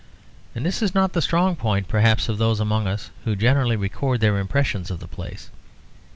And this is not the strong point perhaps of those among us who generally record their impressions of the place.